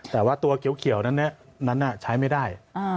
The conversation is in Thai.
แต่ว่าตัวเขียวนั้นใช้ไม่ได้